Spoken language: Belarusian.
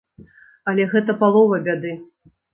Але гэта палова бяды.